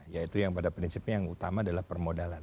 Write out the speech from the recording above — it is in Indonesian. yaitu yang pada prinsipnya yang utama adalah permodalan